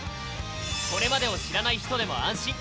これまでを知らない人でも安心。